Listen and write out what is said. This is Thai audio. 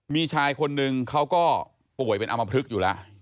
มีชายคนนึงเขาก็ป่วยเป็นอมพลึกอยู่แล้ว